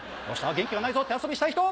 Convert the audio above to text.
元気がないぞ手遊びしたい人？